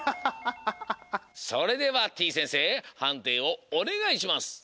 それではてぃ先生はんていをおねがいします。